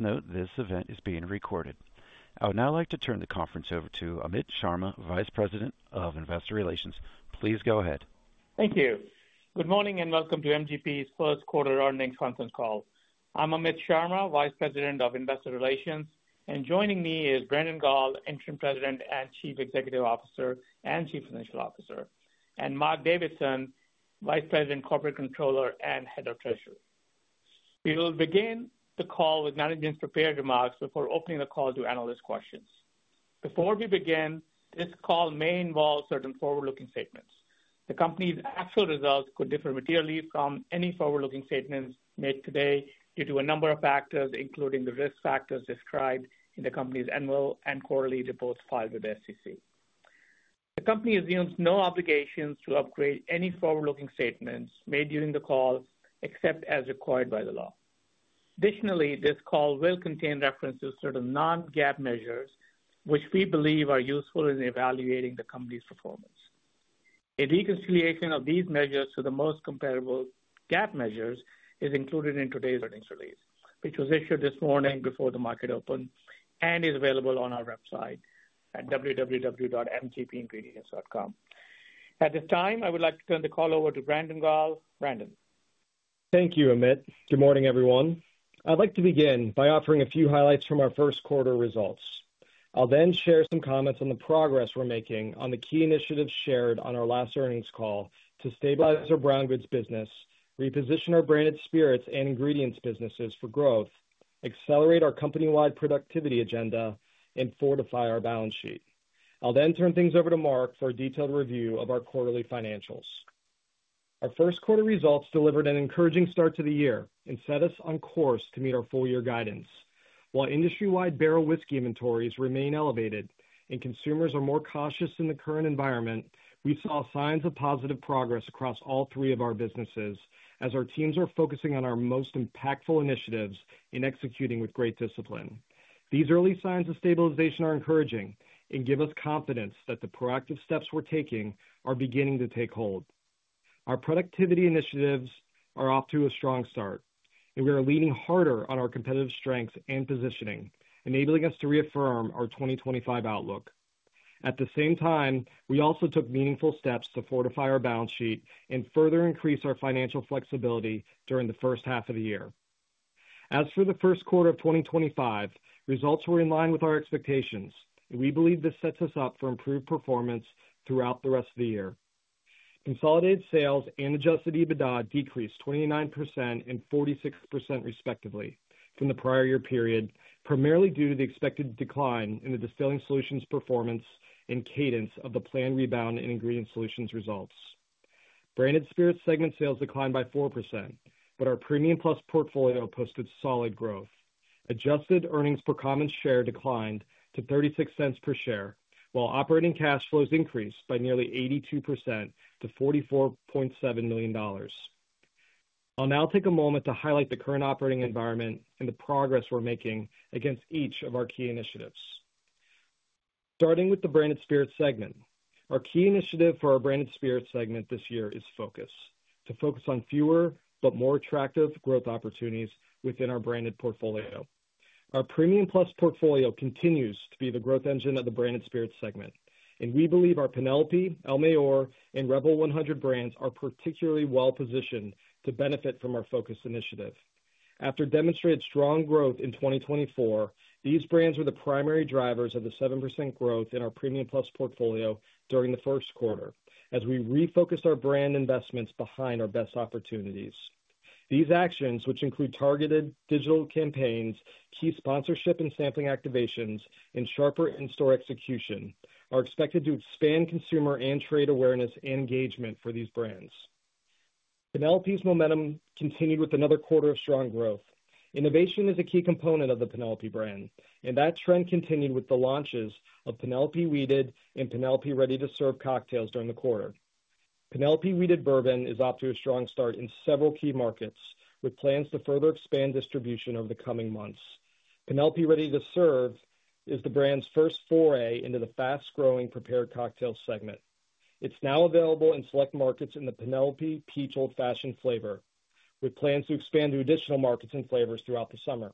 Note this event is being recorded. I would now like to turn the conference over to Amit Sharma, Vice President of Investor Relations. Please go ahead. Thank you. Good morning and welcome to MGP's Q1 Earnings Conference Call. I'm Amit Sharma, Vice President of Investor Relations, and joining me is Brandon Gall, Interim President and Chief Executive Officer and Chief Financial Officer, and Mark Davidson, Vice President, Corporate Controller, and Head of Treasury. We will begin the call with management's prepared remarks before opening the call to analyst questions. Before we begin, this call may involve certain forward-looking statements. The company's actual results could differ materially from any forward-looking statements made today due to a number of factors, including the risk factors described in the company's annual and quarterly reports filed with the SEC. The company assumes no obligations to upgrade any forward-looking statements made during the call, except as required by the law. Additionally, this call will contain references to certain non-GAAP measures, which we believe are useful in evaluating the company's performance. A reconciliation of these measures to the most comparable GAAP measures is included in today's earnings release, which was issued this morning before the market opened and is available on our website at www.mgpingredients.com. At this time, I would like to turn the call over to Brandon Gall. Brandon. Thank you, Amit. Good morning, everyone. I'd like to begin by offering a few highlights from our Q1 results. I'll then share some comments on the progress we're making on the key initiatives shared on our last earnings call to stabilize our brown goods business, reposition our Branded Spirits and ingredients businesses for growth, accelerate our company-wide productivity agenda, and fortify our balance sheet. I'll then turn things over to Mark for a detailed review of our quarterly financials. Our Q1 results delivered an encouraging start to the year and set us on course to meet our full-year guidance. While industry-wide barrel whiskey inventories remain elevated and consumers are more cautious in the current environment, we saw signs of positive progress across all three of our businesses as our teams are focusing on our most impactful initiatives and executing with great discipline. These early signs of stabilization are encouraging and give us confidence that the proactive steps we're taking are beginning to take hold. Our productivity initiatives are off to a strong start, and we are leaning harder on our competitive strengths and positioning, enabling us to reaffirm our 2025 outlook. At the same time, we also took meaningful steps to fortify our balance sheet and further increase our financial flexibility during the H1 of the year. As for the Q1 of 2025, results were in line with our expectations, and we believe this sets us up for improved performance throughout the rest of the year. Consolidated sales and adjusted EBITDA decreased 29% and 46%, respectively, from the prior year period, primarily due to the expected decline in the Distilling Solutions performance and cadence of the planned rebound in Ingredient Solutions results. Branded Spirits segment sales declined by 4%, but Premium Plus portfolio posted solid growth. Adjusted earnings per common share declined to $0.36 per share, while operating cash flows increased by nearly 82% to $44.7 million. I'll now take a moment to highlight the current operating environment and the progress we're making against each of our key initiatives. Starting with the Branded Spirits segment, our key initiative for our Branded Spirits segment this year is focus, to focus on fewer but more attractive growth opportunities within our branded portfolio. Premium Plus portfolio continues to be the growth engine of the Branded Spirits segment, and we believe our Penelope, El Mayor, and Rebel 100 brands are particularly well positioned to benefit from our focus initiative. After demonstrating strong growth in 2024, these brands were the primary drivers of the 7% growth in Premium Plus portfolio during the Q1 as we refocused our brand investments behind our best opportunities. These actions, which include targeted digital campaigns, key sponsorship and sampling activations, and sharper in-store execution, are expected to expand consumer and trade awareness and engagement for these brands. Penelope's momentum continued with another quarter of strong growth. Innovation is a key component of the Penelope brand, and that trend continued with the launches of Penelope Wheated and Penelope ready-to-serve cocktails during the quarter. Penelope Wheated Bourbon is off to a strong start in several key markets, with plans to further expand distribution over the coming months. Penelope ready-to-serve is the brand's first foray into the fast-growing prepared cocktail segment. It's now available in select markets in the Penelope Peach Old Fashioned flavor, with plans to expand to additional markets and flavors throughout the summer.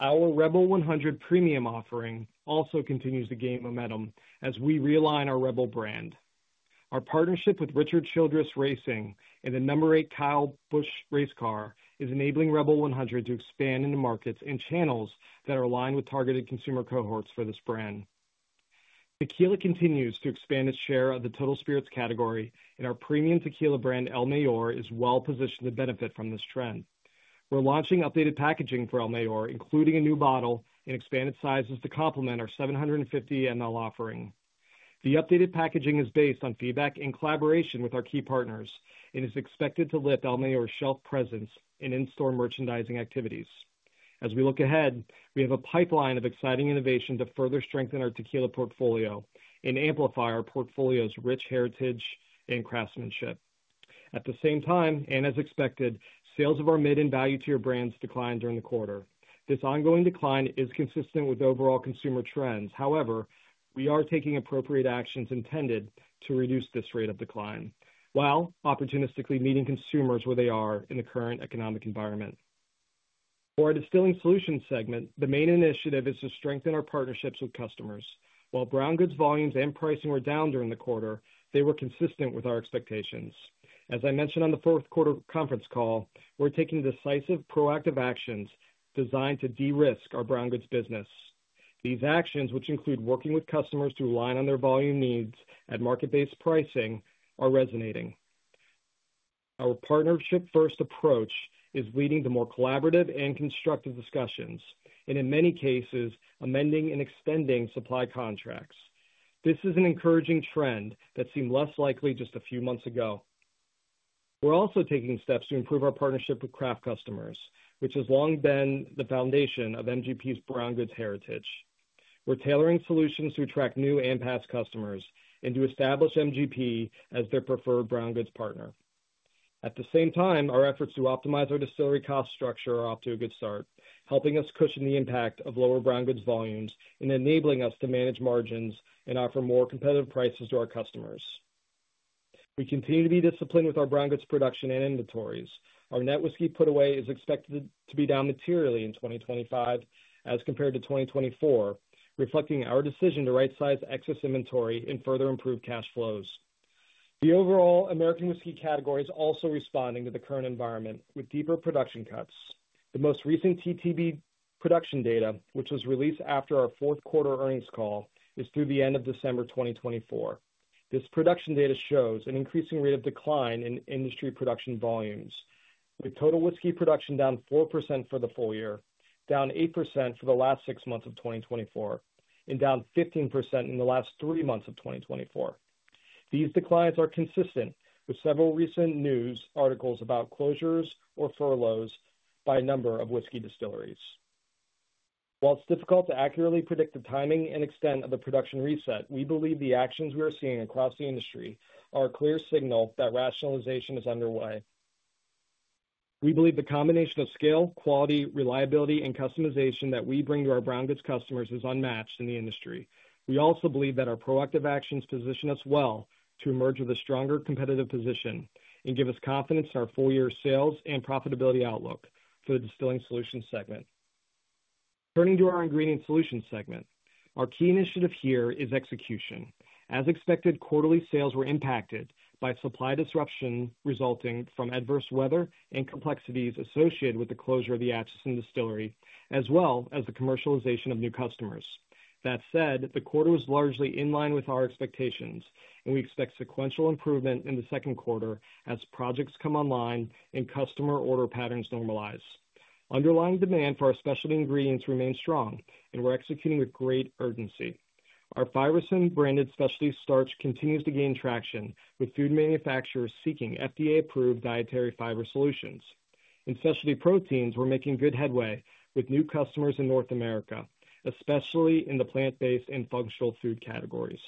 Our Rebel 100 premium offering also continues to gain momentum as we realign our Rebel brand. Our partnership with Richard Childress Racing and the number eight Kyle Busch race car is enabling Rebel 100 to expand into markets and channels that are aligned with targeted consumer cohorts for this brand. Tequila continues to expand its share of the total spirits category, and our premium tequila brand El Mayor is well positioned to benefit from this trend. We're launching updated packaging for El Mayor, including a new bottle and expanded sizes to complement our 750 ml offering. The updated packaging is based on feedback and collaboration with our key partners and is expected to lift El Mayor's shelf presence and in-store merchandising activities. As we look ahead, we have a pipeline of exciting innovation to further strengthen our Tequila portfolio and amplify our portfolio's rich heritage and craftsmanship. At the same time, as expected, sales of our mid and value tier brands declined during the quarter. This ongoing decline is consistent with overall consumer trends. However, we are taking appropriate actions intended to reduce this rate of decline, while opportunistically meeting consumers where they are in the current economic environment. For our Distilling Solutions segment, the main initiative is to strengthen our partnerships with customers. While brown goods volumes and pricing were down during the quarter, they were consistent with our expectations. As I mentioned on the Q4 conference call, we are taking decisive proactive actions designed to de-risk our brown goods business. These actions, which include working with customers to align on their volume needs at market-based pricing, are resonating. Our partnership-first approach is leading to more collaborative and constructive discussions, and in many cases, amending and extending supply contracts. This is an encouraging trend that seemed less likely just a few months ago. We're also taking steps to improve our partnership with craft customers, which has long been the foundation of MGP's brown goods heritage. We're tailoring solutions to attract new and past customers and to establish MGP as their preferred brown goods partner. At the same time, our efforts to optimize our distillery cost structure are off to a good start, helping us cushion the impact of lower brown goods volumes and enabling us to manage margins and offer more competitive prices to our customers. We continue to be disciplined with our brown goods production and inventories. Our net whiskey put away is expected to be down materially in 2025 as compared to 2024, reflecting our decision to right-size excess inventory and further improve cash flows. The overall American whiskey category is also responding to the current environment with deeper production cuts. The most recent TTB production data, which was released after our Q4 earnings call, is through the end of December 2024. This production data shows an increasing rate of decline in industry production volumes, with total whiskey production down 4% for the full year, down 8% for the last six months of 2024, and down 15% in the last three months of 2024. These declines are consistent with several recent news articles about closures or furloughs by a number of whiskey distilleries. While it's difficult to accurately predict the timing and extent of the production reset, we believe the actions we are seeing across the industry are a clear signal that rationalization is underway. We believe the combination of scale, quality, reliability, and customization that we bring to our brown goods customers is unmatched in the industry. We also believe that our proactive actions position us well to emerge with a stronger competitive position and give us confidence in our full-year sales and profitability outlook for the Distilling Solutions segment. Turning to our Ingredient Solutions segment, our key initiative here is execution. As expected, quarterly sales were impacted by supply disruption resulting from adverse weather and complexities associated with the closure of the Atchison distillery, as well as the commercialization of new customers. That said, the quarter was largely in line with our expectations, and we expect sequential improvement in the Q2 as projects come online and customer order patterns normalize. Underlying demand for our specialty ingredients remains strong, and we're executing with great urgency. Our Fibersym branded specialty starch continues to gain traction, with food manufacturers seeking FDA-approved dietary fiber solutions. In specialty proteins, we're making good headway with new customers in North America, especially in the plant-based and functional food categories.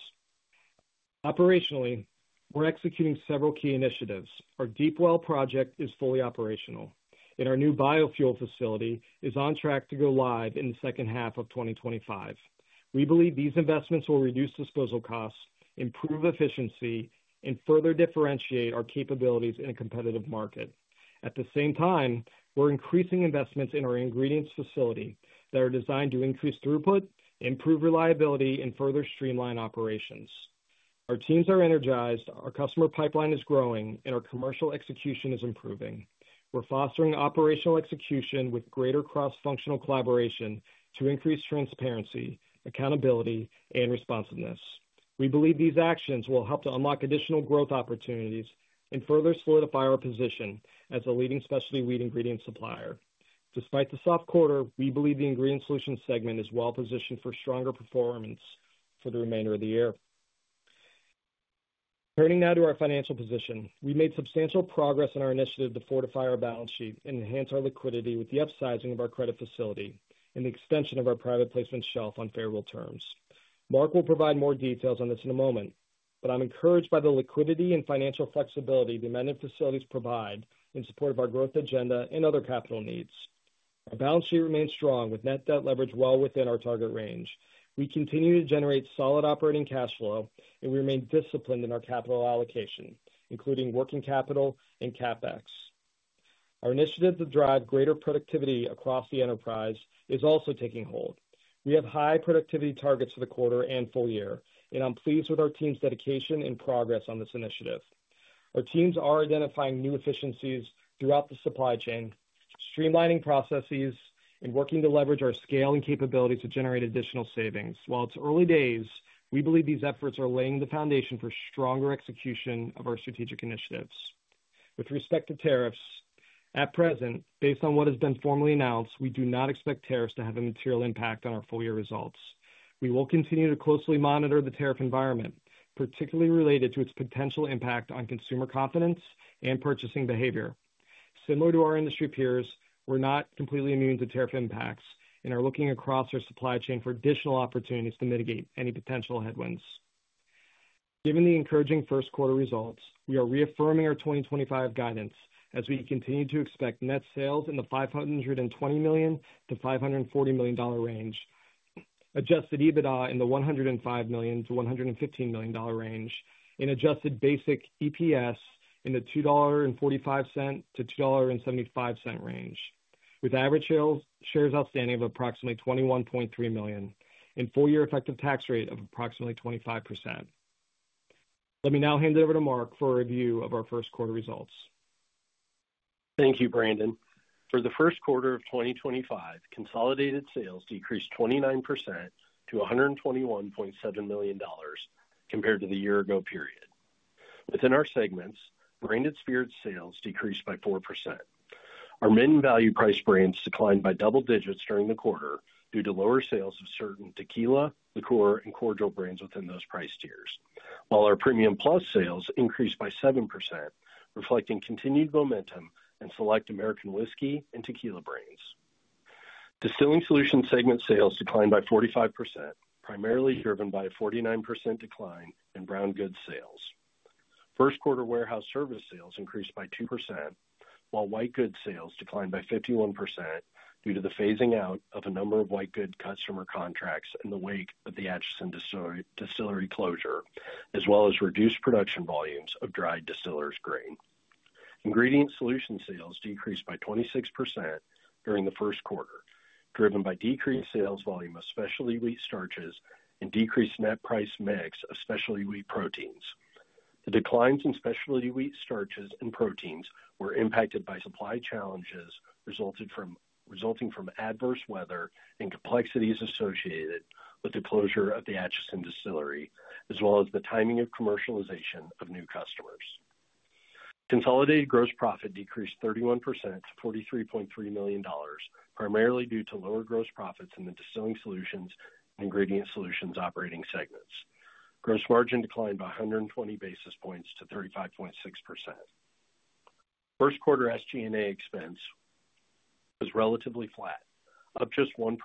Operationally, we're executing several key initiatives. Our Deep Well project is fully operational, and our new biofuel facility is on track to go live in the H2 of 2025. We believe these investments will reduce disposal costs, improve efficiency, and further differentiate our capabilities in a competitive market. At the same time, we're increasing investments in our ingredients facility that are designed to increase throughput, improve reliability, and further streamline operations. Our teams are energized, our customer pipeline is growing, and our commercial execution is improving. We're fostering operational execution with greater cross-functional collaboration to increase transparency, accountability, and responsiveness. We believe these actions will help to unlock additional growth opportunities and further solidify our position as a leading specialty wheat ingredient supplier. Despite the soft quarter, we believe the Ingredient Solutions segment is well positioned for stronger performance for the remainder of the year. Turning now to our financial position, we made substantial progress in our initiative to fortify our balance sheet and enhance our liquidity with the upsizing of our credit facility and the extension of our private placement shelf on favorable terms. Mark will provide more details on this in a moment, but I'm encouraged by the liquidity and financial flexibility the amended facilities provide in support of our growth agenda and other capital needs. Our balance sheet remains strong, with net debt leverage well within our target range. We continue to generate solid operating cash flow, and we remain disciplined in our capital allocation, including working capital and CapEx. Our initiative to drive greater productivity across the enterprise is also taking hold. We have high productivity targets for the quarter and full year, and I'm pleased with our team's dedication and progress on this initiative. Our teams are identifying new efficiencies throughout the supply chain, streamlining processes, and working to leverage our scale and capability to generate additional savings. While it's early days, we believe these efforts are laying the foundation for stronger execution of our strategic initiatives. With respect to tariffs, at present, based on what has been formally announced, we do not expect tariffs to have a material impact on our full-year results. We will continue to closely monitor the tariff environment, particularly related to its potential impact on consumer confidence and purchasing behavior. Similar to our industry peers, we're not completely immune to tariff impacts and are looking across our supply chain for additional opportunities to mitigate any potential headwinds. Given the encouraging Q1 results, we are reaffirming our 2025 guidance as we continue to expect net sales in the $520 million to $540 million range, adjusted EBITDA in the $105 million to $115 million range, and adjusted basic EPS in the $2.45 to $2.75 range, with average shares outstanding of approximately 21.3 million and full-year effective tax rate of approximately 25%. Let me now hand it over to Mark for a review of our Q1 results. Thank you, Brandon. For the Q1 of 2025, consolidated sales decreased 29% to $121.7 million compared to the year-ago period. Within our segments, Branded Spirits sales decreased by 4%. Our mid and value price brands declined by double digits during the quarter due to lower sales of certain tequila, liqueur, and cordial brands within those price tiers, while our Premium Plus sales increased by 7%, reflecting continued momentum in select American whiskey and tequila brands. Distilling Solution segment sales declined by 45%, primarily driven by a 49% decline in brown goods sales. Q1 warehouse service sales increased by 2%, while white goods sales declined by 51% due to the phasing out of a number of white goods customer contracts in the wake of the Atchison distillery closure, as well as reduced production volumes of dried distiller's grain. Ingredient Solutions sales decreased by 26% during the Q1, driven by decreased sales volume of specialty wheat starches and decreased net price mix of specialty wheat proteins. The declines in specialty wheat starches and proteins were impacted by supply challenges resulting from adverse weather and complexities associated with the closure of the Atchison distillery, as well as the timing of commercialization of new customers. Consolidated gross profit decreased 31% to $43.3 million, primarily due to lower gross profits in the Distilling Solutions and Ingredient Solutions operating segments. Gross margin declined by 120 basis points to 35.6%. Q1 SG&A expense was relatively flat, up just 1%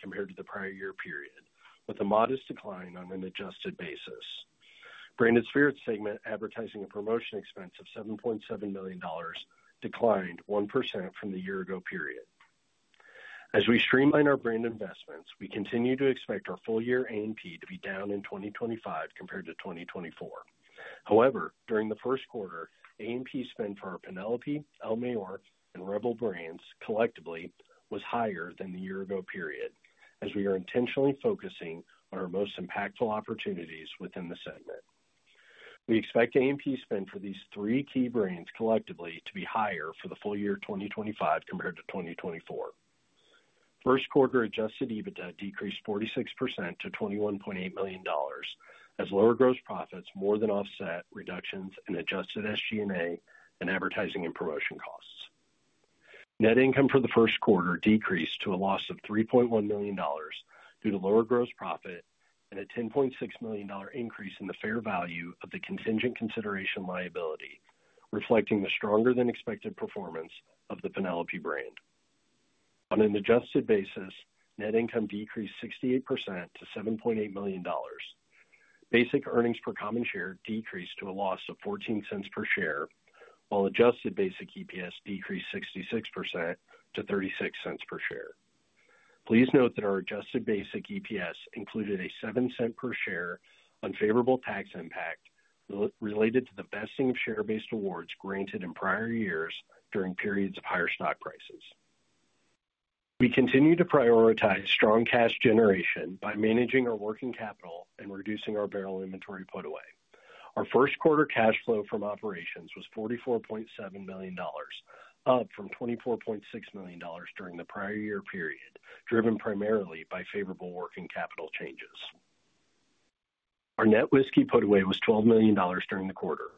compared to the prior year period, with a modest decline on an adjusted basis. Branded Spirits segment advertising and promotion expense of $7.7 million declined 1% from the year-ago period. As we streamline our brand investments, we continue to expect our full-year A&P to be down in 2025 compared to 2024. However, during the Q1, A&P spend for our Penelope, El Mayor, and Rebel brands collectively was higher than the year-ago period, as we are intentionally focusing on our most impactful opportunities within the segment. We expect A&P spend for these three key brands collectively to be higher for the full year 2025 compared to 2024. Q1 adjusted EBITDA decreased 46% to $21.8 million, as lower gross profits more than offset reductions in adjusted SG&A and advertising and promotion costs. Net income for the Q1 decreased to a loss of $3.1 million due to lower gross profit and a $10.6 million increase in the fair value of the contingent consideration liability, reflecting the stronger-than-expected performance of the Penelope brand. On an adjusted basis, net income decreased 68% to $7.8 million. Basic earnings per common share decreased to a loss of $0.14 per share, while adjusted basic EPS decreased 66% to $0.36 per share. Please note that our adjusted basic EPS included a $0.07 per share unfavorable tax impact related to the vesting of share-based awards granted in prior years during periods of higher stock prices. We continue to prioritize strong cash generation by managing our working capital and reducing our barrel inventory put away. Our Q1 cash flow from operations was $44.7 million, up from $24.6 million during the prior year period, driven primarily by favorable working capital changes. Our net whiskey put away was $12 million during the quarter,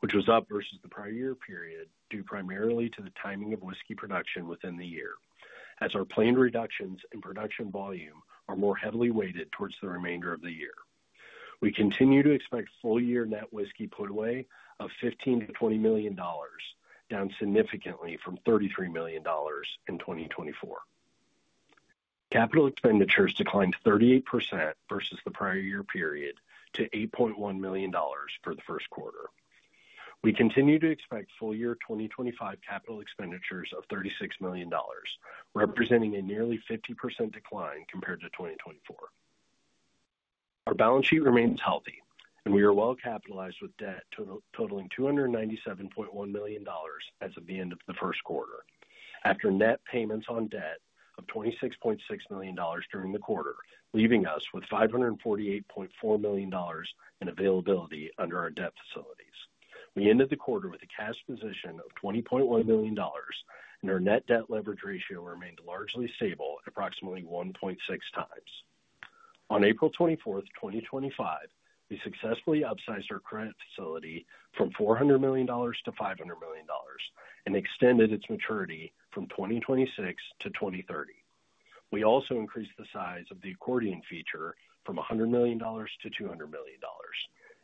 which was up versus the prior year period due primarily to the timing of whiskey production within the year, as our planned reductions in production volume are more heavily weighted towards the remainder of the year. We continue to expect full-year net whiskey put away of $15 to $20 million, down significantly from $33 million in 2024. Capital expenditures declined 38% versus the prior year period to $8.1 million for the Q1. We continue to expect full-year 2025 capital expenditures of $36 million, representing a nearly 50% decline compared to 2024. Our balance sheet remains healthy, and we are well capitalized with debt totaling $297.1 million as of the end of the Q1, after net payments on debt of $26.6 million during the quarter, leaving us with $548.4 million in availability under our debt facilities. We ended the quarter with a cash position of $20.1 million, and our net debt leverage ratio remained largely stable, approximately 1.6 times. On 24 `April 2025, we successfully upsized our current facility from $400 million to $500 million and extended its maturity from 2026 to 2030. We also increased the size of the accordion feature from $100 million to $200 million.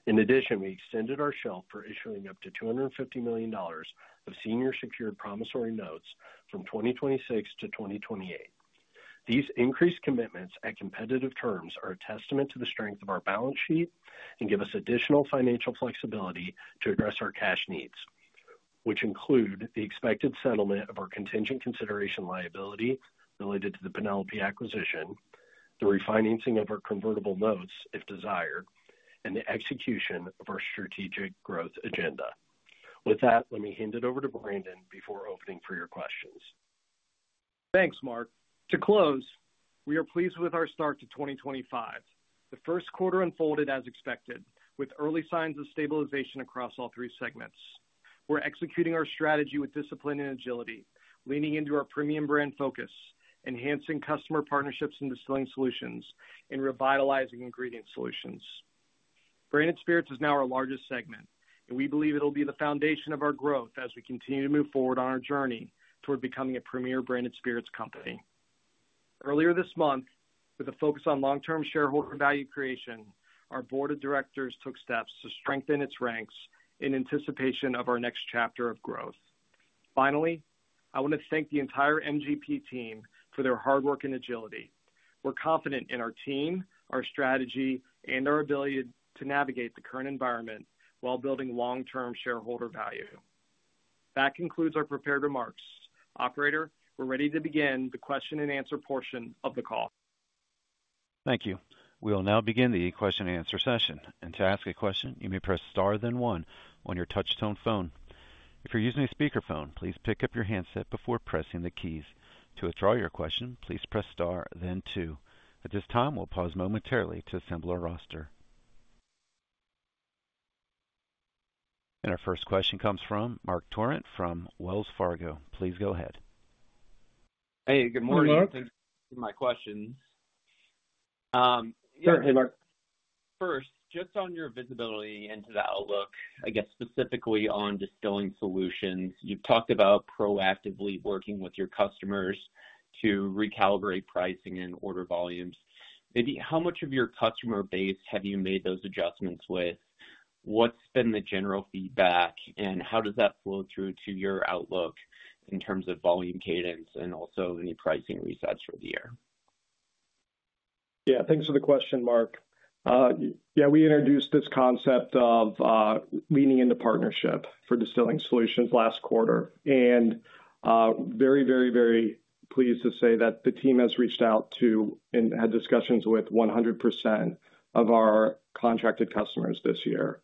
In addition, we extended our shelf for issuing up to $250 million of senior secured promissory notes from 2026 to 2028. These increased commitments at competitive terms are a testament to the strength of our balance sheet and give us additional financial flexibility to address our cash needs, which include the expected settlement of our contingent consideration liability related to the Penelope acquisition, the refinancing of our convertible notes if desired, and the execution of our strategic growth agenda. With that, let me hand it over to Brandon before opening for your questions. Thanks, Mark. To close, we are pleased with our start to 2025. The Q1 unfolded as expected, with early signs of stabilization across all three segments. We're executing our strategy with discipline and agility, leaning into our premium brand focus, enhancing customer partnerships in Distilling Solutions, and revitalizing Ingredient Solutions. Branded Spirits is now our largest segment, and we believe it'll be the foundation of our growth as we continue to move forward on our journey toward becoming a premier Branded Spirits company. Earlier this month, with a focus on long-term shareholder value creation, our Board of D``irectors took steps to strengthen its ranks in anticipation of our next chapter of growth. Finally, I want to thank the entire MGP team for their hard work and agility. We're confident in our team, our strategy, and our ability to navigate the current environment while building long-term shareholder value. That concludes our prepared remarks. Operator, we're ready to begin the question-and-answer portion of the call. Thank you. We will now begin the question-and-answer session. To ask a question, you may press star then one on your touch-tone phone. If you're using a speakerphone, please pick up your handset before pressing the keys. To withdraw your question, please press star then two. At this time, we'll pause momentarily to assemble our roster. Our first question comes from Marc Torrente from Wells Fargo. Please go ahead. Hey, good morning. Thanks for taking my questions. First, just on your visibility into the outlook, I guess specifically on Distilling Solutions, you've talked about proactively working with your customers to recalibrate pricing and order volumes. Maybe how much of your customer base have you made those adjustments with? What's been the general feedback, and how does that flow through to your outlook in terms of volume cadence and also any pricing resets for the year? Yeah, thanks for the question, Marc. We introduced this concept of leaning into partnership for Distilling Solutions last quarter. Very, very, very pleased to say that the team has reached out to and had discussions with 100% of our contracted customers this year.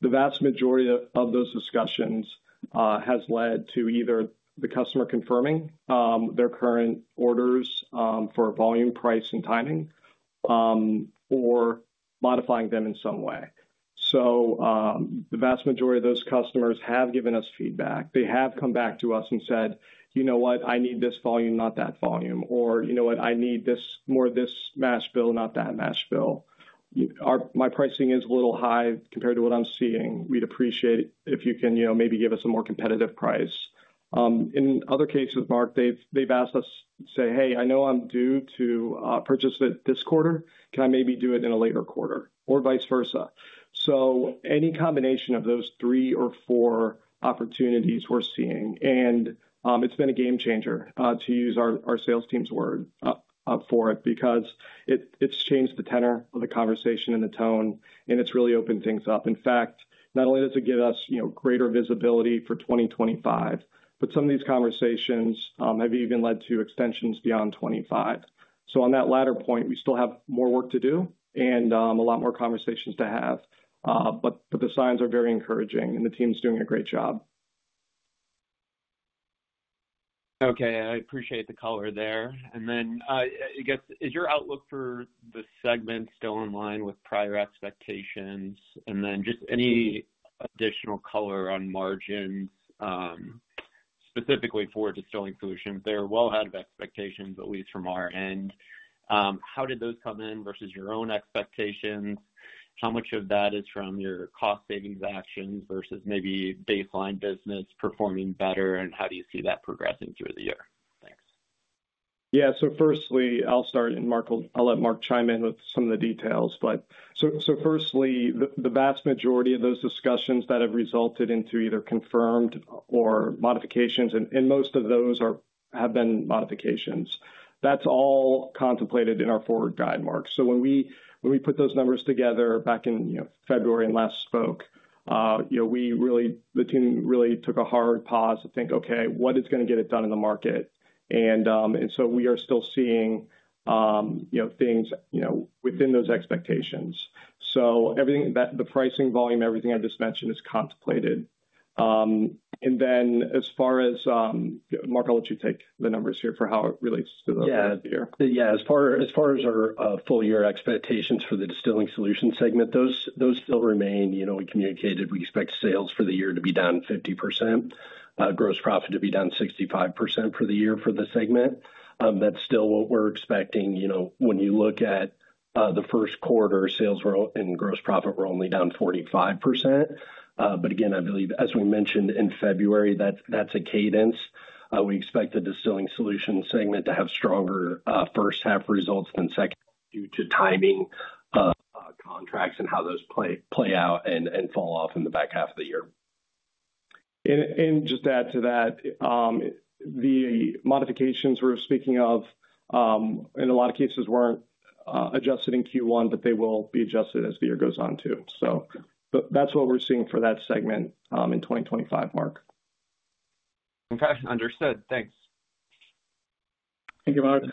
The vast majority of those discussions has led to either the customer confirming their current orders for volume, price, and timing, or modifying them in some way. The vast majority of those customers have given us feedback. They have come back to us and said, you know what? I need this volume, not that volume. You know what? I need more of this mash bill, not that mash bill. My pricing is a little high compared to what I'm seeing. We'd appreciate it if you can maybe give us a more competitive price. In other cases, Marc, they've asked us to say, hey, I know I'm due to purchase it this quarter. Can I maybe do it in a later quarter? Or vice versa. So any combination of those three or four opportunities we're seeing. And it's been a game changer, to use our sales team's word, for it because it's changed the tenor of the conversation and the tone, and it's really opened things up. In fact, not only does it give us greater visibility for 2025, but some of these conversations have even led to extensions beyond 2025. On that latter point, we still have more work to do and a lot more conversations to have. The signs are very encouraging, and the team's doing a great job. Okay. I appreciate the color there. I guess, is your outlook for the segment still in line with prior expectations? Any additional color on margins, specifically for Distilling Solutions? They're well ahead of expectations, at least from our end. How did those come in versus your own expectations? How much of that is from your cost-savings actions versus maybe baseline business performing better, and how do you see that progressing through the year? Thanks. Yeah. Firstly, I'll start, and I'll let Mark chime in with some of the details. Firstly, the vast majority of those discussions that have resulted into either confirmed or modifications, and most of those have been modifications, that's all contemplated in our forward guide, Marc. When we put those numbers together back in February and last spoke, the team really took a hard pause to think, okay, what is going to get it done in the market? We are still seeing things within those expectations. The pricing volume, everything I just mentioned, is contemplated. As far as Mark, I'll let you take the numbers here for how it relates to the year. As far as our full-year expectations for the Distilling Solution segment, those still remain. We communicated we expect sales for the year to be down 50%, gross profit to be down 65% for the year for the segment. That's still what we're expecting. When you look at the Q1, sales and gross profit were only down 45%. Again, I believe, as we mentioned in February, that's a cadence. We expect the Distilling Solution segment to have stronger H1 results than H2 due to timing contracts and how those play out and fall off in the back half of the year. Just to add to that, the modifications we were speaking of, in a lot of cases, were not adjusted in Q1, but they will be adjusted as the year goes on too. That is what we are seeing for that segment in 2025, Marc. Okay. Understood. Thanks. Thank you, Marc.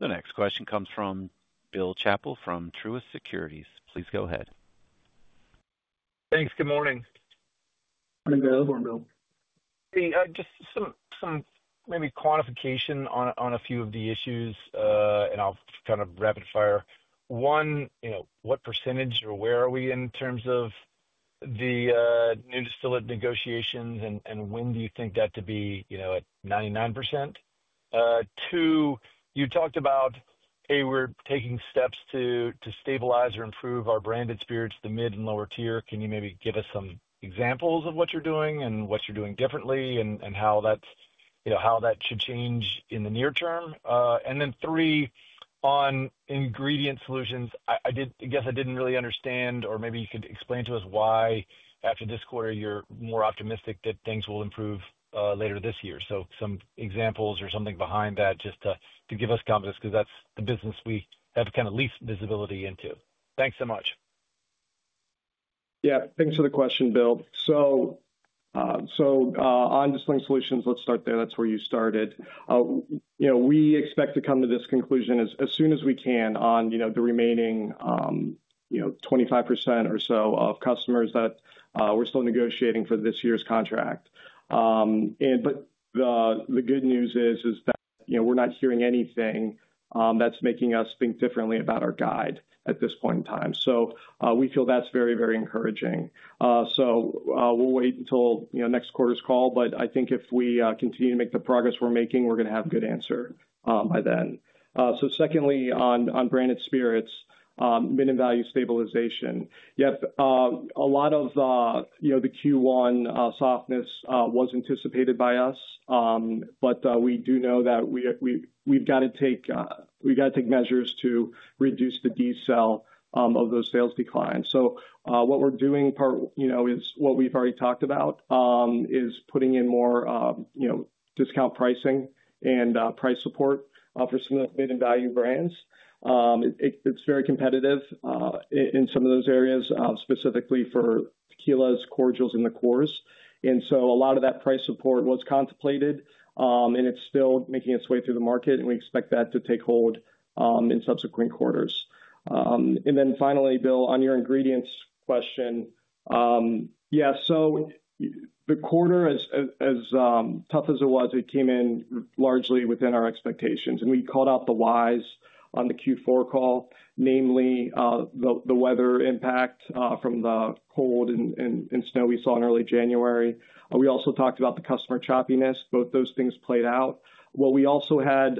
The next question comes from Bill Chappell from Truist Securities. Please go ahead. Thanks. Good morning. Just some maybe quantification on a few of the issues, and I will kind of rapid-fire. One, what percentage or where are we in terms of the new distillate negotiations, and when do you think that to be at 99%? Two, you talked about, hey, we're taking steps to stabilize or improve our Branded Spirits, the mid and lower tier. Can you maybe give us some examples of what you're doing and what you're doing differently and how that should change in the near term? Three, on Ingredient Solutions, I guess I didn't really understand, or maybe you could explain to us why, after this quarter, you're more optimistic that things will improve later this year. Some examples or something behind that just to give us context because that's the business we have kind of least visibility into. Thanks so much. Yeah. Thanks for the question, Bill. On Distilling Solutions, let's start there. That's where you started. We expect to come to this conclusion as soon as we can on the remaining 25% or so of customers that we're still negotiating for this year's contract. The good news is that we're not hearing anything that's making us think differently about our guide at this point in time. We feel that's very, very encouraging. We'll wait until next quarter's call. I think if we continue to make the progress we're making, we're going to have a good answer by then. Secondly, on Branded Spirits, minimum value stabilization. Yep. A lot of the Q1 softness was anticipated by us, but we do know that we've got to take measures to reduce the deceleration of those sales declines. What we're doing is what we've already talked about, putting in more discount pricing and price support for some of the minimum value brands. It's very competitive in some of those areas, specifically for tequilas, cordials, and liqueurs. A lot of that price support was contemplated, and it is still making its way through the market, and we expect that to take hold in subsequent quarters. Finally, Bill, on your ingredients question, yeah, the quarter, as tough as it was, came in largely within our expectations. We called out the whys on the Q4 call, namely the weather impact from the cold and snow we saw in early January. We also talked about the customer choppiness. Both those things played out. What we also had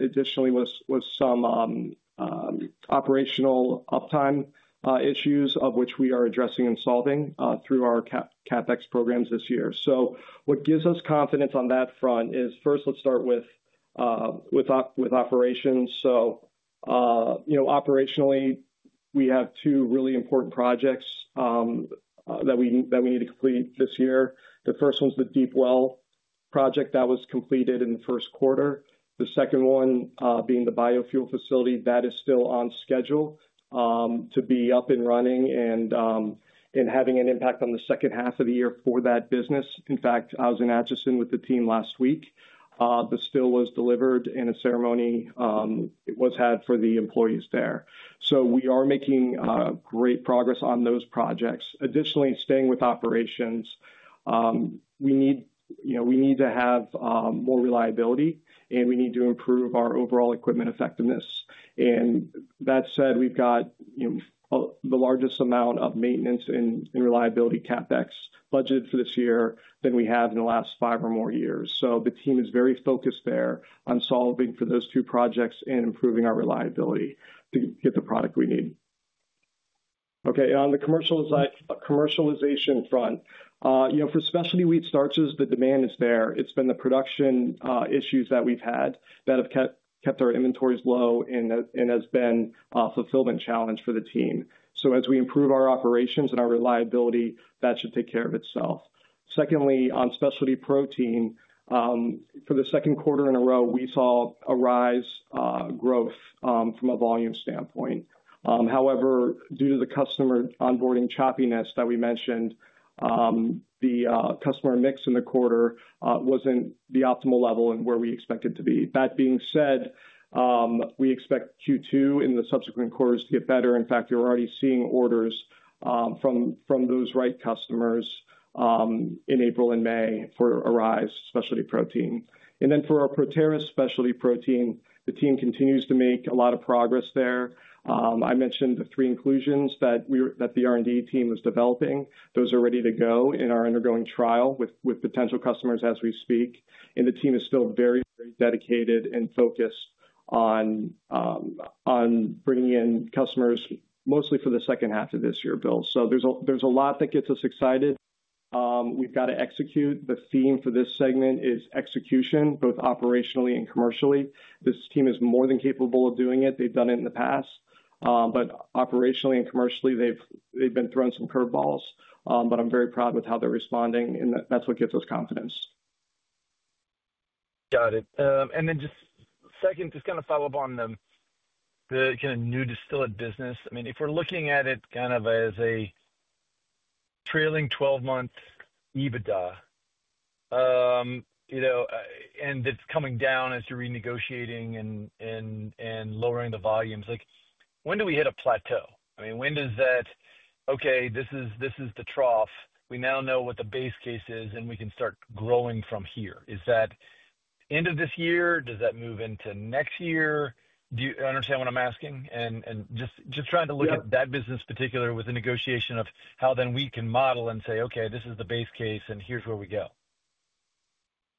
additionally was some operational uptime issues, which we are addressing and solving through our CapEx programs this year. What gives us confidence on that front is, first, let's start with operations. Operationally, we have two really important projects that we need to complete this year. The first one's the Deep Well project that was completed in the Q1. The second one being the biofuel facility that is still on schedule to be up and running and having an impact on the H2 of the year for that business. In fact, I was in Atchison with the team last week. The still was delivered in a ceremony that was had for the employees there. We are making great progress on those projects. Additionally, staying with operations, we need to have more reliability, and we need to improve our overall equipment effectiveness. That said, we've got the largest amount of maintenance and reliability CapEx budgeted for this year than we have in the last five or more years. The team is very focused there on solving for those two projects and improving our reliability to get the product we need. Okay. On the commercialization front, for specialty wheat starches, the demand is there. It has been the production issues that we have had that have kept our inventories low and has been a fulfillment challenge for the team. As we improve our operations and our reliability, that should take care of itself. Secondly, on specialty protein, for the Q2 in a row, we saw a rise in growth from a volume standpoint. However, due to the customer onboarding choppiness that we mentioned, the customer mix in the quarter was not at the optimal level and where we expected to be. That being said, we expect Q2 and the subsequent quarters to get better. In fact, we are already seeing orders from those right customers in April and May for a rise in specialty protein. For our ProTerra specialty protein, the team continues to make a lot of progress there. I mentioned the three inclusions that the R&D team was developing. Those are ready to go and are undergoing trial with potential customers as we speak. The team is still very, very dedicated and focused on bringing in customers mostly for the H2 of this year, Bill. There is a lot that gets us excited. We have got to execute. The theme for this segment is execution, both operationally and commercially. This team is more than capable of doing it. They have done it in the past. Operationally and commercially, they have been thrown some curveballs. I am very proud with how they are responding, and that is what gives us confidence. Got it. Just second, just kind of follow up on the kind of new distillate business. I mean, if we're looking at it kind of as a trailing 12-month EBITDA and it's coming down as you're renegotiating and lowering the volumes, when do we hit a plateau? I mean, when does that, okay, this is the trough. We now know what the base case is, and we can start growing from here. Is that end of this year? Does that move into next year? Do you understand what I'm asking? Just trying to look at that business particular with the negotiation of how then we can model and say, okay, this is the base case, and here's where we go.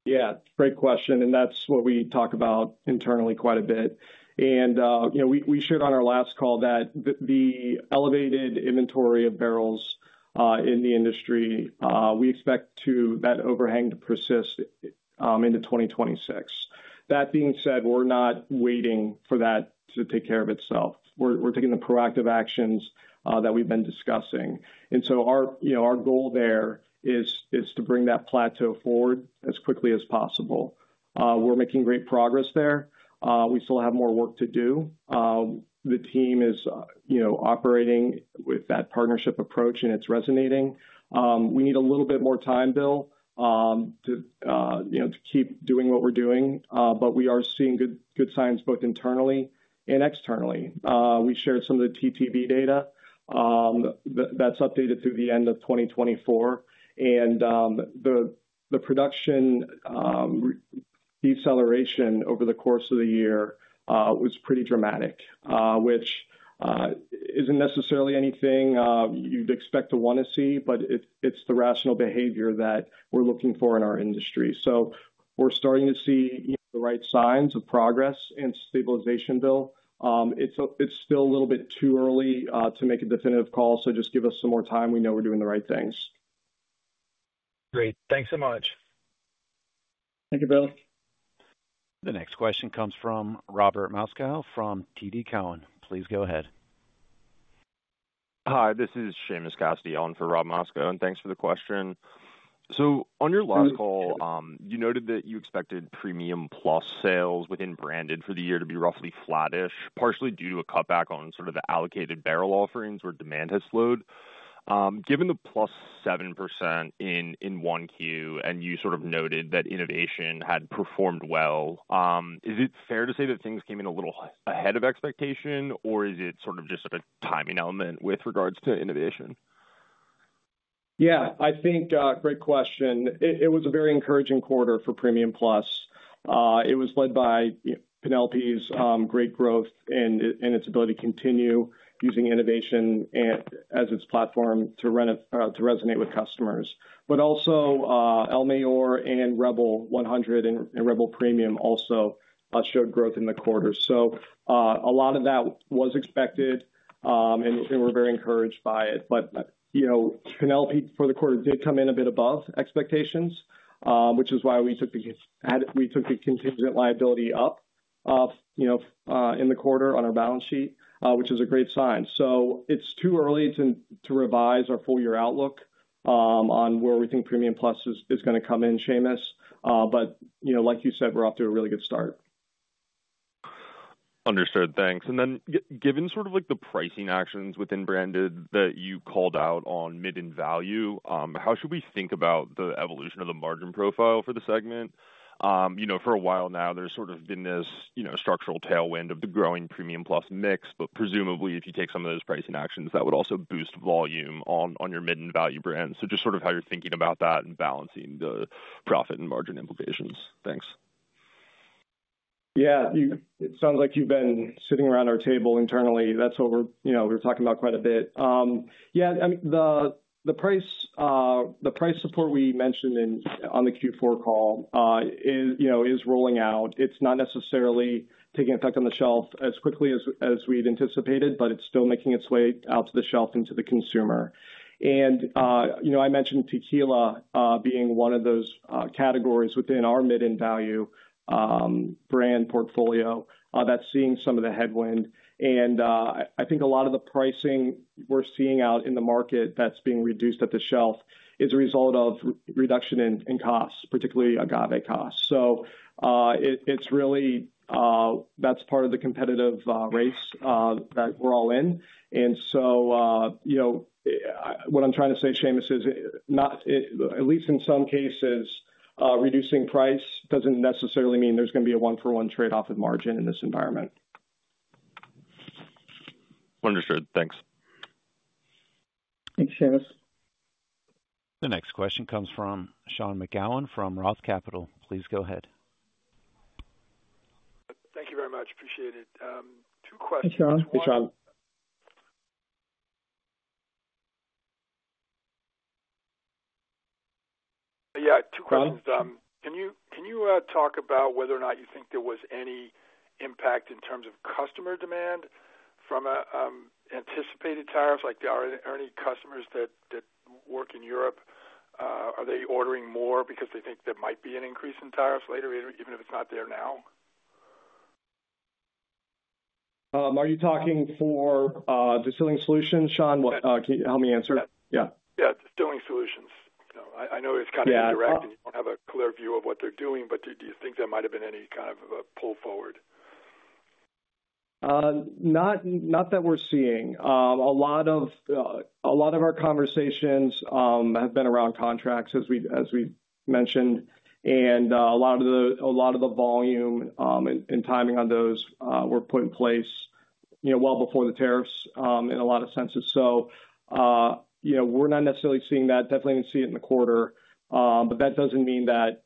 Yeah. Great question. That's what we talk about internally quite a bit. We shared on our last call that the elevated inventory of barrels in the industry, we expect that overhang to persist into 2026. That being said, we're not waiting for that to take care of itself. We're taking the proactive actions that we've been discussing. Our goal there is to bring that plateau forward as quickly as possible. We're making great progress there. We still have more work to do. The team is operating with that partnership approach, and it's resonating. We need a little bit more time, Bill, to keep doing what we're doing. We are seeing good signs both internally and externally. We shared some of the TTB data that's updated through the end of 2024. The production deceleration over the course of the year was pretty dramatic, which isn't necessarily anything you'd expect to want to see, but it's the rational behavior that we're looking for in our industry. We're starting to see the right signs of progress and stabilization, Bill. It's still a little bit too early to make a definitive call, so just give us some more time. We know we're doing the right things. Great. Thanks so much. Thank you, Bill. The next question comes from Robert Moskow from TD Cowen. Please go ahead. Hi. This is Seamus Cassidy for Rob Moskow, and thanks for the question. On your last call, you noted that you expected Premium Plus sales within branded for the year to be roughly flattish, partially due to a cutback on sort of the allocated barrel offerings where demand has slowed. Given the plus 7% in Q1, and you sort of noted that innovation had performed well, is it fair to say that things came in a little ahead of expectation, or is it sort of just a timing element with regards to innovation? Yeah. I think great question. It was a very encouraging quarter for Premium Plus. It was led by Penelope's great growth and its ability to continue using innovation as its platform to resonate with customers. El Mayor and Rebel 100 and Rebel Premium also showed growth in the quarter. A lot of that was expected, and we're very encouraged by it. Penelope for the quarter did come in a bit above expectations, which is why we took the contingent liability up in the quarter on our balance sheet, which is a great sign. It's too early to revise our full-year outlook on where we think Premium Plus is going to come in, Seamus. Like you said, we're off to a really good start. Understood. Thanks. Given sort of the pricing actions within branded that you called out on mid and value, how should we think about the evolution of the margin profile for the segment? For a while now, there has sort of been this structural tailwind of the growing Premium Plus mix, but presumably, if you take some of those pricing actions, that would also boost volume on your mid and value brand. Just sort of how you're thinking about that and balancing the profit and margin implications. Thanks. Yeah. It sounds like you've been sitting around our table internally. That's what we're talking about quite a bit. I mean, the price support we mentioned on the Q4 call is rolling out. It's not necessarily taking effect on the shelf as quickly as we'd anticipated, but it's still making its way out to the shelf and to the consumer. I mentioned tequila being one of those categories within our mid and value brand portfolio that's seeing some of the headwind. I think a lot of the pricing we're seeing out in the market that's being reduced at the shelf is a result of reduction in costs, particularly agave costs. It's really that's part of the competitive race that we're all in. What I'm trying to say, Seamus, is at least in some cases, reducing price doesn't necessarily mean there's going to be a one-for-one trade-off of margin in this environment. Understood. Thanks. Thanks, Seamus. The next question comes from Sean McGowan from ROTH Capital. Please go ahead. Thank you very much. Appreciate it. Two questions. Can you talk about whether or not you think there was any impact in terms of customer demand from anticipated tariffs? Are there any customers that work in Europe? Are they ordering more because they think there might be an increase in tariffs later, even if it's not there now? Are you talking for Distilling Solutions, Sean? Help me answer. Yeah. Yeah. Distilling Solutions. I know it's kind of indirect, and you don't have a clear view of what they're doing, but do you think there might have been any kind of a pull forward? Not that we're seeing. A lot of our conversations have been around contracts, as we mentioned, and a lot of the volume and timing on those were put in place well before the tariffs in a lot of senses. We are not necessarily seeing that Definitely did not see it in the quarter, but that does not mean that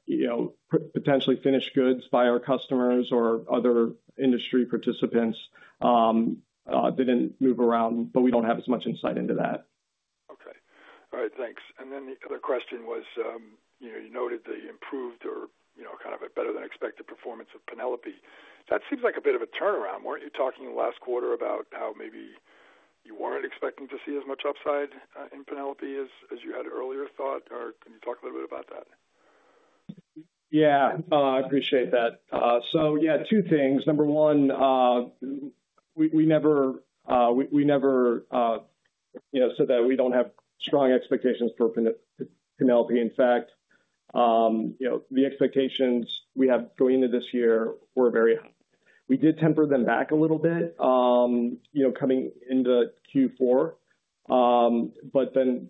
potentially finished goods by our customers or other industry participants did not move around, but we do not have as much insight into that. Okay. All right. Thanks. The other question was you noted the improved or kind of a better-than-expected performance of Penelope. That seems like a bit of a turnaround. Were you not talking last quarter about how maybe you were not expecting to see as much upside in Penelope as you had earlier thought? Can you talk a little bit about that? Yeah. I appreciate that. Two things. Number one, we never said that we do not have strong expectations for Penelope. In fact, the expectations we have going into this year were very high. We did temper them back a little bit coming into Q4.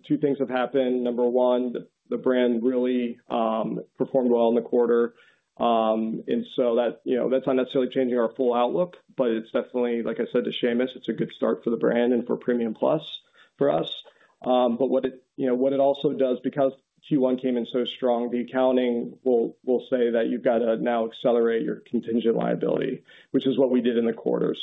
Two things have happened. Number one, the brand really performed well in the quarter. That is not necessarily changing our full outlook, but it is definitely, like I said to Seamus, a good start for the brand and for Premium Plus for us. What it also does, because Q1 came in so strong, the accounting will say that you have to now accelerate your contingent liability, which is what we did in the quarter.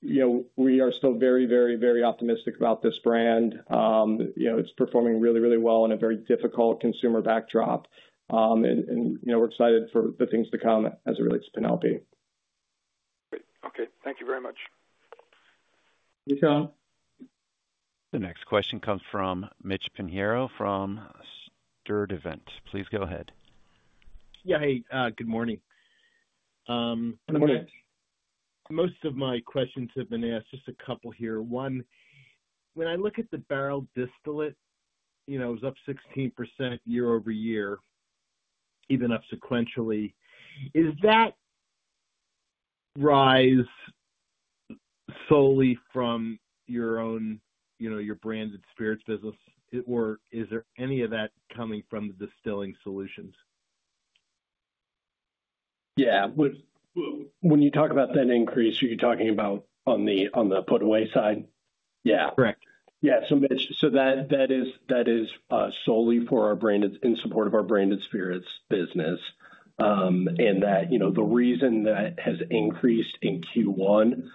We are still very, very, very optimistic about this brand. It is performing really, really well in a very difficult consumer backdrop. We are excited for the things to come as it relates to Penelope. Great. Okay. Thank you very much. Thank you, Sean. The next question comes from Mitch Pinheiro from Sturdivant. Please go ahead. Yeah. Hey, good morning. Most of my questions have been asked. Just a couple here. One, when I look at the barrel distillate, it was up 16% year-over-year, even up sequentially. Is that rise solely from your Branded Spirits business, or is there any of that coming from the Distilling Solutions? Yeah. When you talk about that increase, are you talking about on the put-away side? Yeah. Correct. Yeah. So Mitch, that is solely for our branded in support of our Branded Spirits business. The reason that has increased in Q1,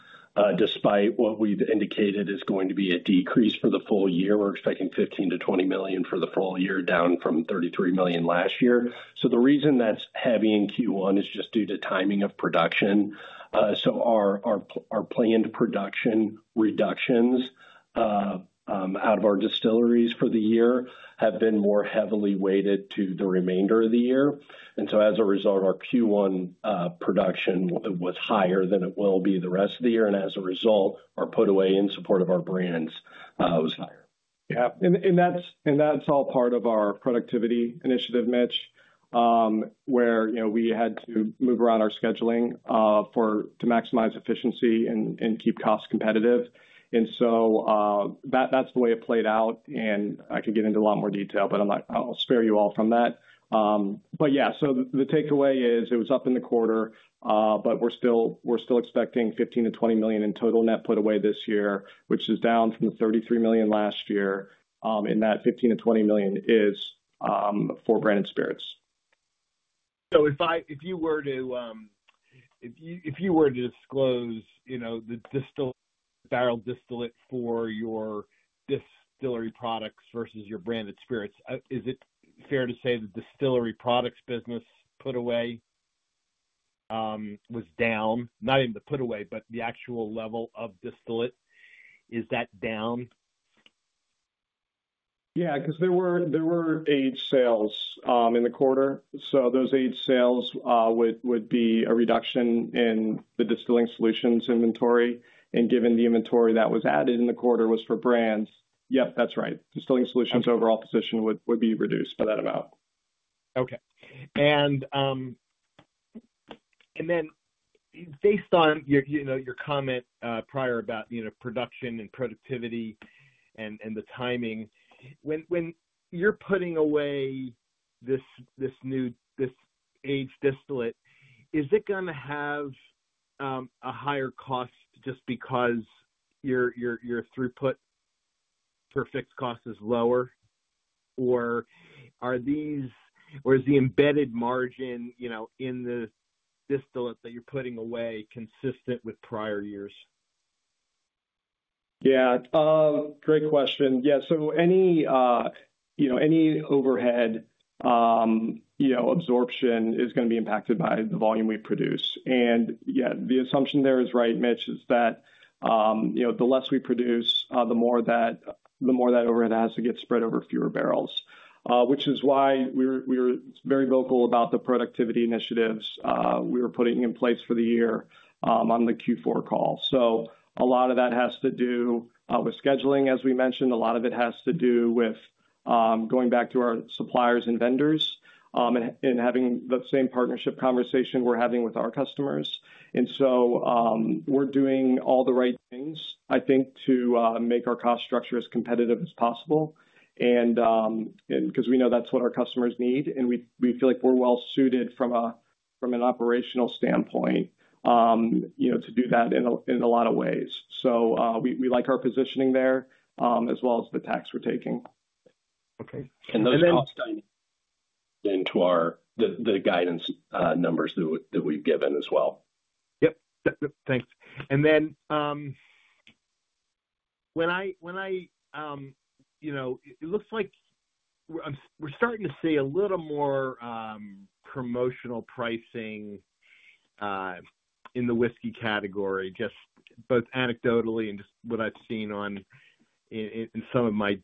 despite what we've indicated is going to be a decrease for the full year, we're expecting $15 million to $20 million for the full year, down from $33 million last year. The reason that's heavy in Q1 is just due to timing of production. Our planned production reductions out of our distilleries for the year have been more heavily weighted to the remainder of the year. As a result, our Q1 production was higher than it will be the rest of the year. As a result, our put-away in support of our brands was higher. Yeah. That is all part of our productivity initiative, Mitch, where we had to move around our scheduling to maximize efficiency and keep costs competitive. That is the way it played out. I could get into a lot more detail, but I'll spare you all from that. Yeah, the takeaway is it was up in the quarter, but we're still expecting $15 million to $20 million in total net put-away this year, which is down from the $33 million last year. That $15 million to $20 million is for Branded Spirits. If you were to disclose the barrel distillate for your distillery products versus your Branded Spirits, is it fair to say the distillery products business put-away was down? Not even the put-away, but the actual level of distillate. Is that down? Yeah. Because there were age sales in the quarter. Those age sales would be a reduction in the Distilling Solutions inventory. Given the inventory that was added in the quarter was for brands, yep, that's right. Distilling Solutions' overall position would be reduced by that amount. Okay. Based on your comment prior about production and productivity and the timing, when you're putting away this new age distillate, is it going to have a higher cost just because your throughput per fixed cost is lower, or is the embedded margin in the distillate that you're putting away consistent with prior years? Yeah. Great question. Yeah. Any overhead absorption is going to be impacted by the volume we produce. Yeah, the assumption there is right, Mitch, that the less we produce, the more that overhead has to get spread over fewer barrels, which is why we were very vocal about the productivity initiatives we were putting in place for the year on the Q4 call. A lot of that has to do with scheduling, as we mentioned. A lot of it has to do with going back to our suppliers and vendors and having the same partnership conversation we're having with our customers. We are doing all the right things, I think, to make our cost structure as competitive as possible because we know that's what our customers need. We feel like we're well-suited from an operational standpoint to do that in a lot of ways. We like our positioning there as well as the tack we're taking. Okay. Those costs tie into the guidance numbers that we've given as well. Yep. Yep. Thanks. It looks like we're starting to see a little more promotional pricing in the whiskey category, just both anecdotally and just what I've seen in some of my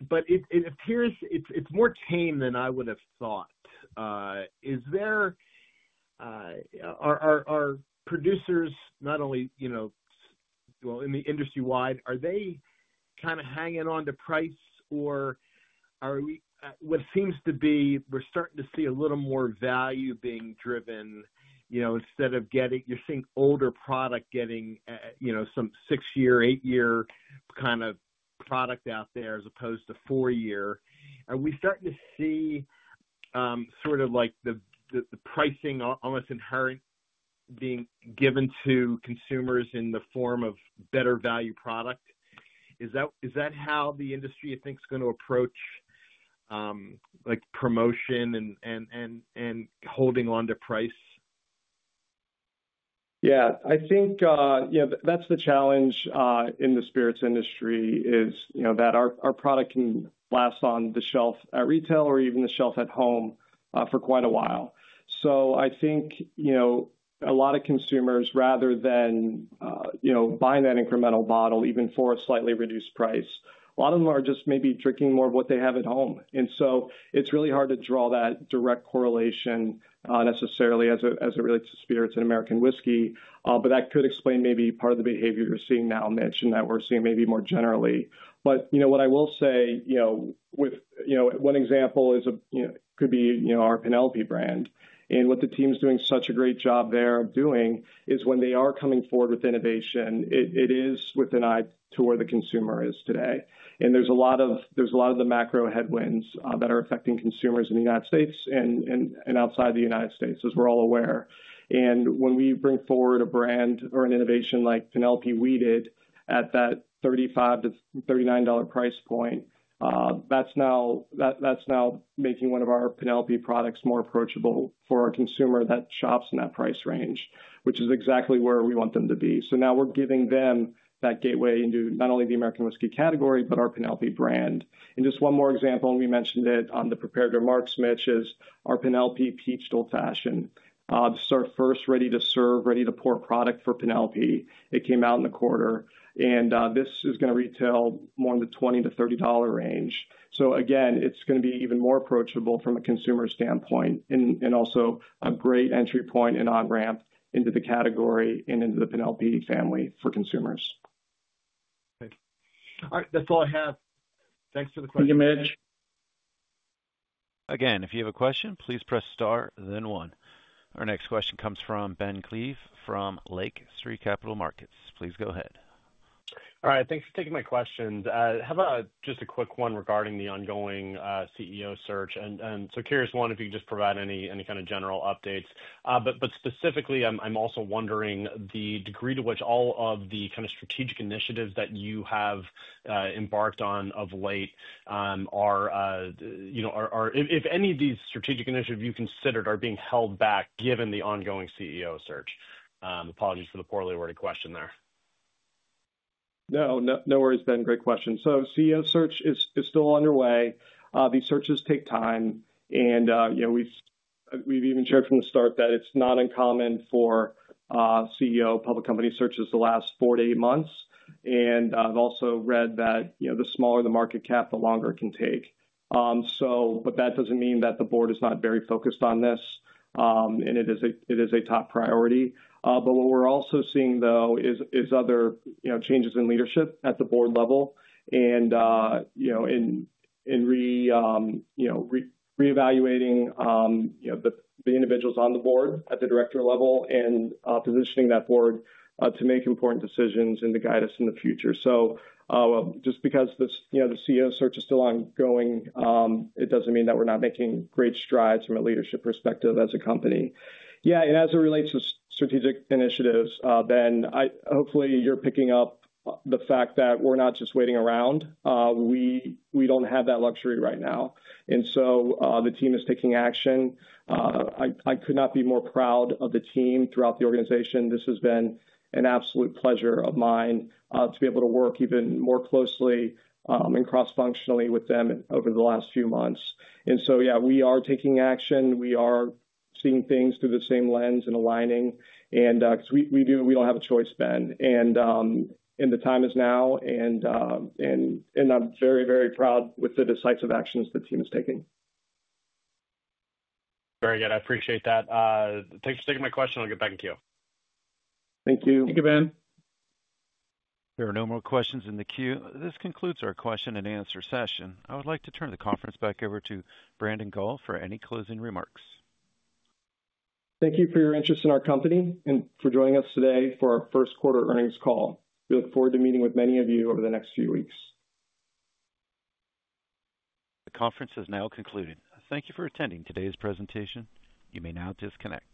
data. It appears it's more tame than I would have thought. Are producers not only, well, in the industry wide, are they kind of hanging on to price, or what seems to be we're starting to see a little more value being driven instead of getting, you're seeing older product, getting some six-year, eight-year kind of product out there as opposed to four-year. Are we starting to see sort of the pricing almost inherent being given to consumers in the form of better value product? Is that how the industry thinks going to approach promotion and holding on to price? Yeah. I think that's the challenge in the spirits industry is that our product can last on the shelf at retail or even the shelf at home for quite a while. I think a lot of consumers, rather than buying that incremental bottle even for a slightly reduced price, a lot of them are just maybe drinking more of what they have at home. It is really hard to draw that direct correlation necessarily as it relates to spirits and American whiskey. That could explain maybe part of the behavior you're seeing now, Mitch, and that we're seeing maybe more generally. What I will say with one example could be our Penelope brand. What the team's doing such a great job there of doing is when they are coming forward with innovation, it is with an eye to where the consumer is today. There are a lot of the macro headwinds that are affecting consumers in the United States and outside the United States, as we're all aware. When we bring forward a brand or an innovation like Penelope we did at that $35 to $39 price point, that's now making one of our Penelope products more approachable for our consumer that shops in that price range, which is exactly where we want them to be. Now we're giving them that gateway into not only the American whiskey category, but our Penelope brand. Just one more example, and we mentioned it on the prepared remarks, Mitch, is our Penelope Peach Old Fashioned. This is our first ready-to-serve, ready-to-pour product for Penelope. It came out in the quarter. This is going to retail more in the $20-$30 range. Again, it's going to be even more approachable from a consumer standpoint and also a great entry point and on-ramp into the category and into the Penelope family for consumers. Okay. All right. That's all I have. Thanks for the question. Thank you, Mitch. Again, if you have a question, please press star, then one. Our next question comes from Ben Klieve from Lake Street Capital Markets. Please go ahead. All right. Thanks for taking my questions. How about just a quick one regarding the ongoing CEO search? Curious if you could just provide any kind of general updates. Specifically, I'm also wondering the degree to which all of the kind of strategic initiatives that you have embarked on of late are, if any of these strategic initiatives you considered are being held back given the ongoing CEO search. Apologies for the poorly worded question there. No. No worries, Ben. Great question. CEO search is still underway. These searches take time. We've even shared from the start that it's not uncommon for CEO public company searches to last four to eight months. I've also read that the smaller the market cap, the longer it can take. That doesn't mean that the board is not very focused on this. It is a top priority. What we're also seeing, though, is other changes in leadership at the board level and in reevaluating the individuals on the board at the director level and positioning that board to make important decisions and to guide us in the future. Just because the CEO search is still ongoing, it does not mean that we're not making great strides from a leadership perspective as a company. Yeah. As it relates to strategic initiatives, Ben, hopefully you're picking up the fact that we're not just waiting around. We do not have that luxury right now. The team is taking action. I could not be more proud of the team throughout the organization. This has been an absolute pleasure of mine to be able to work even more closely and cross-functionally with them over the last few months. Yeah, we are taking action. We are seeing things through the same lens and aligning. Because we do not have a choice, Ben. The time is now. I am very, very proud with the decisive actions the team is taking. Very good. I appreciate that. Thanks for taking my question. I will get back to you. Thank you. Thank you, Ben. There are no more questions in the queue. This concludes our question-and-answer session. I would like to turn the conference back over to Brandon Gall for any closing remarks. Thank you for your interest in our company and for joining us today for our Q1 earnings call. We look forward to meeting with many of you over the next few weeks. The conference has now concluded. Thank you for attending today's presentation. You may now disconnect.